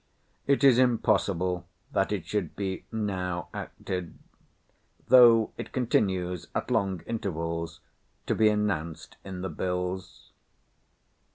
It is impossible that it should be now acted, though it continues, at long intervals, to be announced in the bills.